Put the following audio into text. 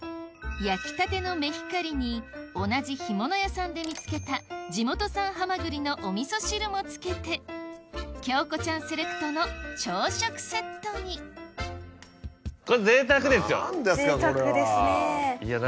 焼きたてのメヒカリに同じ干物屋さんで見つけた地元産ハマグリのお味噌汁も付けて京子ちゃんセレクトの朝食セットに何ですかこれは。